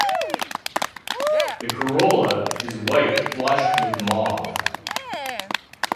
The corolla is white flushed with mauve.